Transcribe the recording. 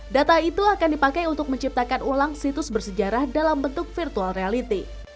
data itu akan dipakai untuk menciptakan ulang situs bersejarah dalam bentuk virtual reality